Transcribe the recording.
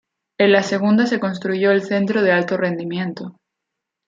En la segunda se construyó el centro de alto rendimiento.